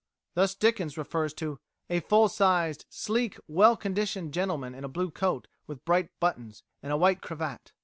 Thus Dickens refers to "a full sized, sleek, well conditioned gentleman in a blue coat with bright buttons, and a white cravat.